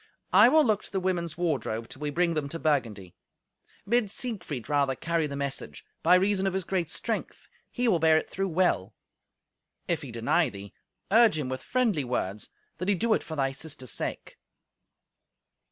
I will look to the women's wardrobe, till we bring them to Burgundy. Bid Siegfried rather carry the message; by reason of his great strength he will bear it through well. If he deny thee, urge him with friendly words, that he do it for thy sister's sake."